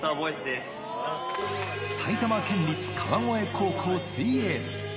埼玉県立川越高校水泳部。